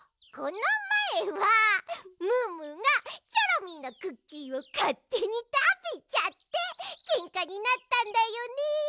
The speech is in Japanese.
このまえはムームーがチョロミーのクッキーをかってにたべちゃってけんかになったんだよね！